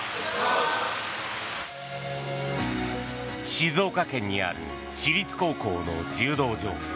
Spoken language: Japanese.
静岡県にある私立高校の柔道場。